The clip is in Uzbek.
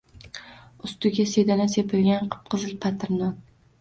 Ustiga sedana sepilgan, qip-qizil patir non.